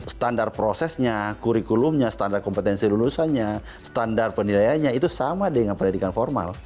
standar prosesnya kurikulumnya standar kompetensi lulusannya standar penilaiannya itu sama dengan pendidikan formal